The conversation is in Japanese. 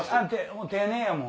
もう丁寧やもん。